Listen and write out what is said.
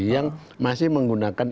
yang masih menggunakan